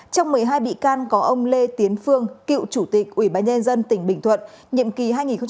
trong một mươi hai bị can có ông lê tiến phương cựu chủ tịch ủy ban nhân dân tỉnh bình thuận nhiệm kỳ hai nghìn một mươi sáu hai nghìn hai mươi một